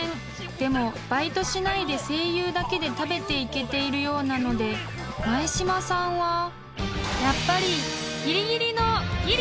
［でもバイトしないで声優だけで食べていけているようなので前島さんはやっぱり］